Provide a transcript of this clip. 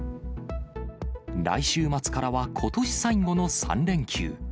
来週末からはことし最後の３連休。